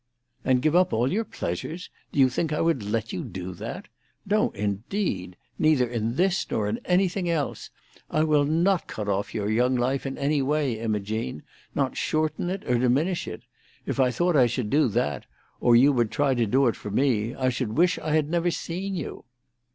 "And give up all your pleasures? Do you think I would let you do that? No, indeed! Neither in this nor in anything else. I will not cut off your young life in any way, Imogene—not shorten it or diminish it. If I thought I should do that, or you would try to do it for me, I should wish I had never seen you."